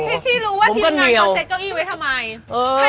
พิชชี่รู้ว่าว่าทีมนายเค้าเซ็ทเก้าอี้ไว้ทำไม